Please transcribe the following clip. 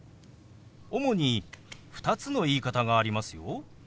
主に２つの言い方がありますよ。